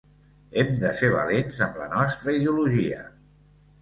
Hem de ser valents amb la nostra ideologia.